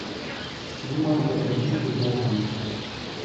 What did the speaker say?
Joue moi le dernier tube de Gainsbourg.